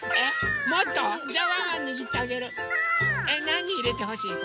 なにいれてほしい？